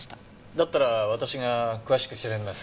だったら私が詳しく調べます。